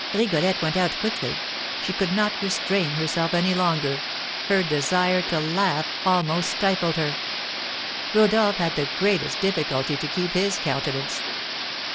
Rigolette went out quickly; she could not restrain herself any longer; her desire to laugh almost stifled her. Rodolph had the greatest difficulty to keep his countenance.